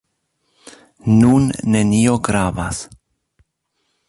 Nun nenio gravas.